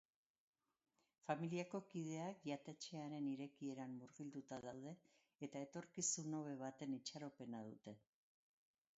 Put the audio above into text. Familiako kideak jatetxearen irekieran murgilduta daude eta etorkizun hobe baten itxaropena dute.